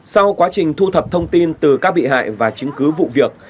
sau quá trình thu thập thông tin từ các bị hại và chứng cứ vụ việc